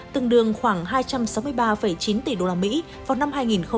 tương đương khoảng hai trăm sáu mươi ba chín tỷ usd vào năm hai nghìn hai mươi